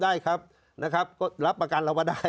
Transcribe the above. ได้ครับก็รับประกันเราว่าได้